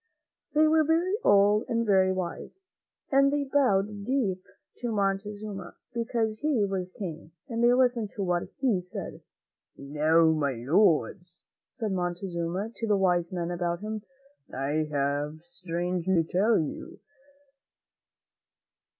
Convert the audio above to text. They were very old and very wise, and they bowed deep to Montezuma, because he was King, and they listened to what he said. "Now, my Lords," said Montezuma to the wise men about him, "I have strange news to tell you.